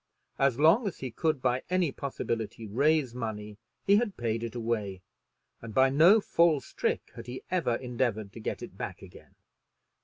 As long as he could by any possibility raise money he had paid it away, and by no false trick had he ever endeavored to get it back again.